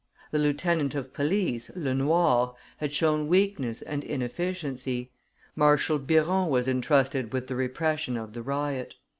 The lieutenant of police, Lenoir, had shown weakness and inefficiency; Marshal Biron was intrusted with the repression of the riot.